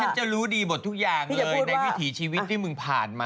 จะรู้ดีหมดทุกอย่างเลยในวิถีชีวิตที่มึงผ่านมา